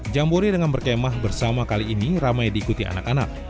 jambore dengan berkemah bersama kali ini ramai diikuti anak anak